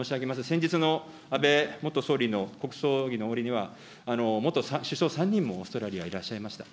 先日の安倍元総理の国葬儀の折には、元首相３人もオーストラリア、いらっしゃいました。